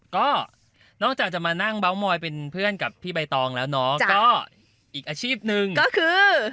ก็นอกจากจะมานั่งเมาส์มอยเป็นเพื่อนกับพี่ใบตองแล้วเนาะก็อีกอาชีพหนึ่งก็คือ